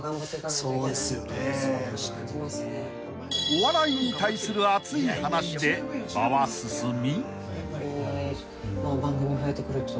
［お笑いに対する熱い話で場は進み］